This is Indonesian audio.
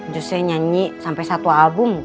justru nyanyi sampai satu album